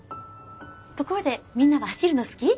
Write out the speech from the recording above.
ところでみんなは走るの好き？